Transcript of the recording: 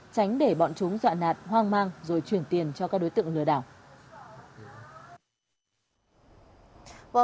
tránh để bọn chúng dọa nạt hoang mang rồi chuyển tiền cho các đối tượng lừa đảo